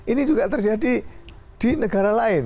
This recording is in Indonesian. ini juga terjadi di negara lain